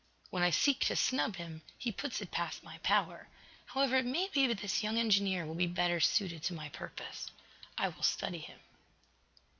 "When I seek to snub him, he puts it past my power. However, it may be that this young engineer will be better suited to my purpose. I will study him."